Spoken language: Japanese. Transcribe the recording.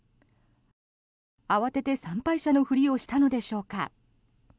慌てて参拝者のふりをしたのでしょうか。